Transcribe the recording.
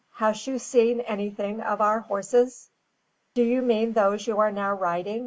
Hash you seen anything of our horses?" "Do you mean those you are now riding?"